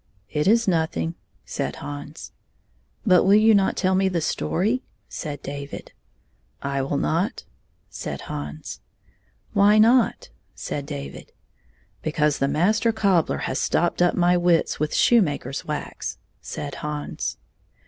"It is nothing," said Hans. "But will you not tell me the story?" said David. "I vsdll not," said Hans. Why not?" said David. Because the Master Cobbler has stopped up my wits with shoe maker's wax," said Hans.